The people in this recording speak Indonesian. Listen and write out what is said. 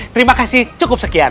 terima kasih cukup sekian